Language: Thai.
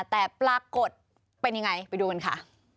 แต่ปรากฏเป็นยังไงไปดูกันค่ะ